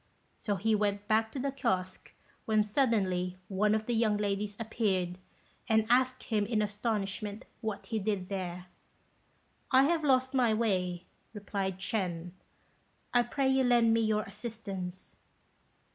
So he went back to the kiosque, when suddenly one of the young ladies appeared, and asked him in astonishment what he did there. "I have lost my way," replied Ch'ên; "I pray you lend me your assistance."